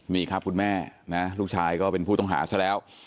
นี่ครับคุณแม่นะลูกชายก็เป็นผู้ต้องหาซะแล้ว